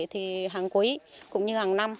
thì hàng cuối cũng như hàng năm